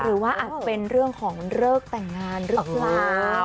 อาจเป็นเรื่องของเลิกแต่งงานหรือเปล่า